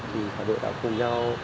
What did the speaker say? thì cả đội đã cùng nhau